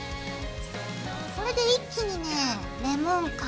これで一気にねレモン感出るよ。